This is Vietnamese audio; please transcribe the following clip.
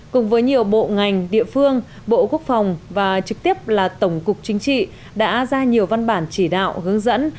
cùng với nhiều bộ ngành địa phương bộ quốc phòng và trực tiếp là tổng cục chính trị đã ra nhiều văn bản chỉ đạo hướng dẫn